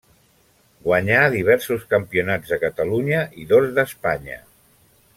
Guanyà diversos campionats de Catalunya i dos d'Espanya.